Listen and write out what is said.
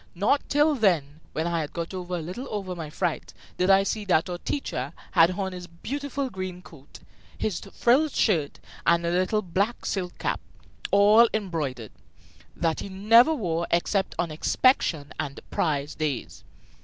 Not till then, when I had got a little over my fright, did I see that our teacher had on his beautiful green coat, his frilled shirt, and the little black silk cap, all embroidered, that he never wore except on inspection and prize days.